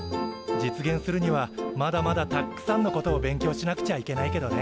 実現するにはまだまだたっくさんのことを勉強しなくちゃいけないけどね。